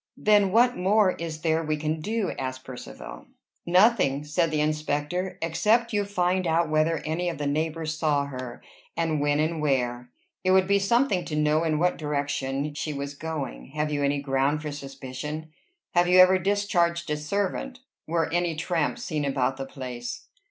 "Then what more is there we can do?" asked Percivale. "Nothing," said the inspector, "except you find out whether any of the neighbors saw her, and when and where. It would be something to know in what direction she was going. Have you any ground for suspicion? Have you ever discharged a servant? Were any tramps seen about the place?"